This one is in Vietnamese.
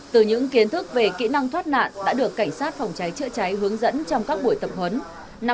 từ những kiến thức về kỹ năng thoát nạn đã được cảnh sát phòng cháy chữa cháy hướng dẫn trong các buổi tập huấn